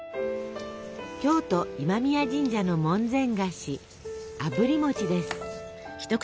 京都今宮神社の門前菓子「あぶり餅」です。